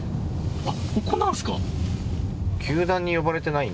あっここなんすか？